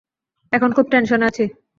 এখন খুব টেনশনে আছি!